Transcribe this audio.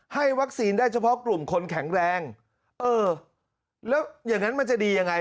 ให้วัคซีนได้เฉพาะกลุ่มคนแข็งแรงเออแล้วอย่างนั้นมันจะดียังไง